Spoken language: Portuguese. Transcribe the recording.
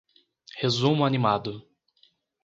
Resumo animado